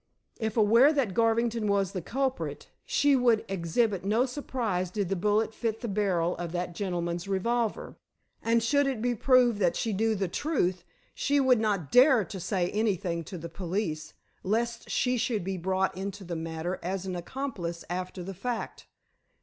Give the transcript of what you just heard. If aware that Garvington was the culprit, she would exhibit no surprise did the bullet fit the barrel of that gentleman's revolver. And should it be proved that she knew the truth, she would not dare to say anything to the police, lest she should be brought into the matter, as an accomplice after the fact.